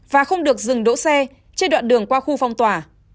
và không được dừng đỗ xe trên đoạn đường qua khu phong tỏa